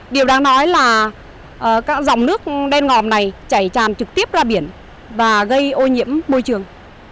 điều đang nói là các dòng nước đen ngòm này chảy tràn trực tiếp ra biển và gây ô nhiễm môi trường